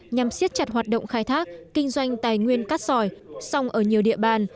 nhằm siết chặt hoạt động khai thác kinh doanh tài nguyên cát sòi song ở nhiều địa bàn